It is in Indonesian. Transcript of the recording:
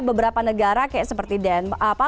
beberapa negara kayak seperti den apa